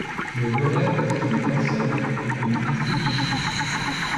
Le lauréat peut être une personne ou une institution.